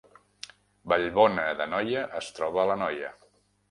Vallbona d’Anoia es troba a l’Anoia